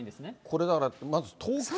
これ、だから、まず東京。